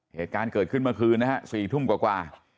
เหตุการณ์เกิดขึ้นเมื่อคืนนะฮะ๔ทุ่มกว่า